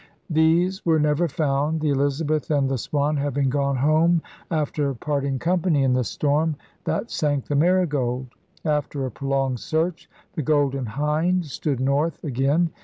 These were never found, the Elizabeth and the Swan having gone home after parting company in the storm that sank the Marigold. After a prolonged search the Golden Hind stood north again.